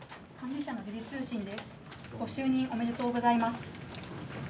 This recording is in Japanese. ご就任おめでとうございます。